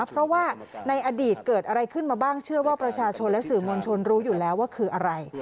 เพราะว่าในอดีตเกิดอะไรขึ้นมาบ้างเชื่อว่าประชาชนและสื่อมวลชนรู้อยู่แล้วว่าคืออะไร